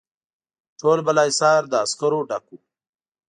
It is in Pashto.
ټول بالاحصار له عسکرو ډک وو.